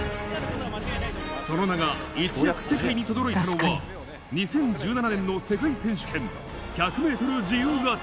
その名が一躍世界にとどろいたのは、２０１７年の世界選手権、１００メートル自由形。